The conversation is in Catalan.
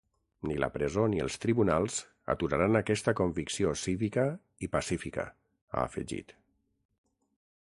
Ni la presó ni els tribunals aturaran aquesta convicció cívica i pacífica, ha afegit.